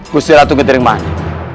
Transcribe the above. gusti ratu getirik mani